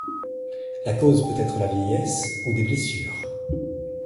La cause peut être la vieillesse ou des blessures.